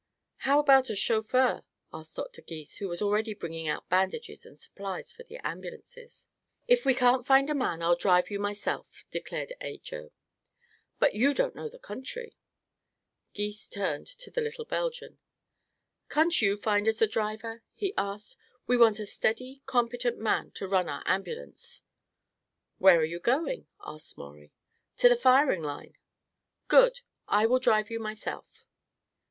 "How about a chauffeur?" asked Dr. Gys, who was already bringing out bandages and supplies for the ambulances. "If we can't find a man, I'll drive you myself," declared Ajo. "But you don't know the country." Gys turned to the little Belgian. "Can't you find us a driver?" he asked. "We want a steady, competent man to run our ambulance." "Where are you going?" asked Maurie. "To the firing line." "Good. I will drive you myself."